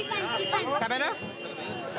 食べる？